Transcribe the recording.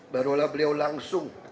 barulah beliau langsung